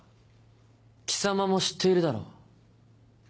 貴様も知っているだろう。